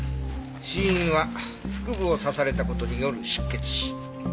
死因は腹部を刺された事による失血死。